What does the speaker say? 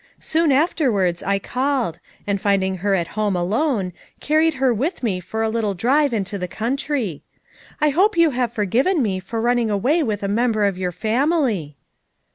Soon afterwards, I called; and finding her at home alone, carried her with me for a little drive into the country. I hope you have forgiven me for running away with a member of your family!"